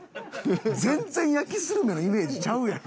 全然焼きスルメのイメージちゃうやろ。